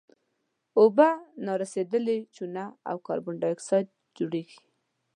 اوبه نارسیدلې چونه او کاربن ډای اکسایډ جوړیږي.